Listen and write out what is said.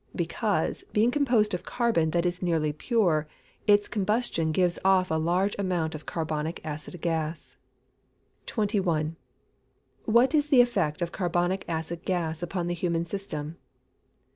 _ Because, being composed of carbon that is nearly pure, its combustion gives off a large amount of carbonic acid gas. 21. _What is the effect of carbonic acid gas upon the human system?